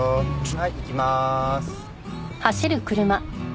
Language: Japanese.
はい行きまーす。